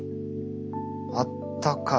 あったかい。